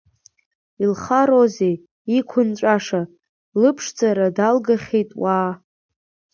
Илхарозеи, иқәынҵәаша, лыԥшӡара далгахьеит, уаа!